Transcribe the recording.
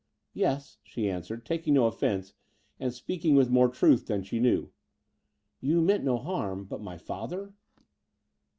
"Yes," she answered, taking no offence and speaking with more truth than she knew, "you meant no harm: but my father